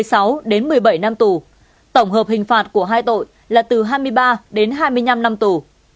trương minh tuấn một mươi sáu đến một mươi bảy năm tù tổng hợp hình phạt của hai tội là từ hai mươi ba đến hai mươi năm năm tù